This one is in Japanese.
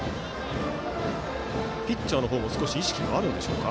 ピッチャーの方も意識があるでしょうか。